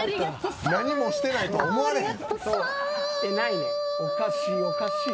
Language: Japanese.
何もしてないとは思われへん。